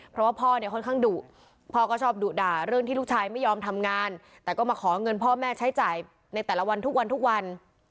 เพราะว่าพ่อเนี่ยค่อนข้างดุพ่อก็ชอบดุด่าเรื่องที่ลูกชายไม่ยอมทำงานแต่ก็มาขอเงินพ่อแม่ใช้จ่ายในแต่ละวันทุกวันทุกวัน